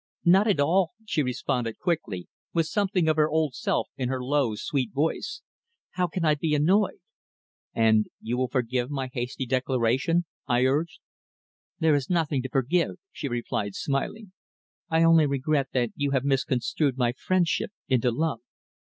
"Not at all," she responded quickly, with something of her old self in her low, sweet voice. "How can I be annoyed?" "And you will forgive my hasty declaration?" I urged. "There is nothing to forgive," she replied, smiling. "I only regret that you have misconstrued my friendship into love."